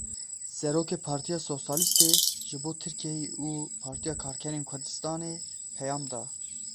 Serokê Partiya Sosyalîstê ji bo Tirkiyeyê û Partiya Karkerên Kurdistanê peyam da.